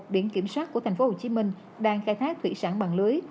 một biển kiểm soát của thành phố hồ chí minh đang khai thác thủy sản bằng lưới